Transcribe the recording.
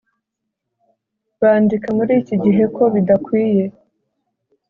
bandika muri iki gihe ko bidakwiye